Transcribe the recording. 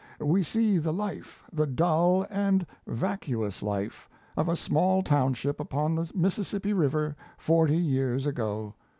We see the life the dull and vacuous life of a small township upon the Mississippi River forty years ago.